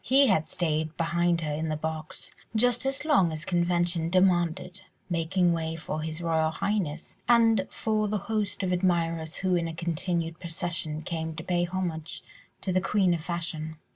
He had stayed beside her in the box just as long as convention demanded, making way for His Royal Highness, and for the host of admirers who in a continued procession came to pay homage to the queen of fashion.